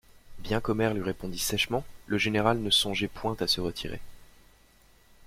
Bien qu'Omer lui répondit sèchement, le général ne songeait point à se retirer.